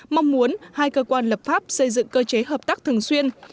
mong muốn hai cơ quan lập pháp xây dựng cơ chế hợp tác thường xuyên